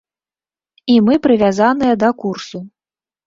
І мы прывязаныя да курсу.